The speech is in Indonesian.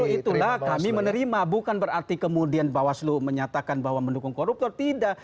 justru itulah kami menerima bukan berarti kemudian bawah seluruh menyatakan bahwa mendukung koruptor tidak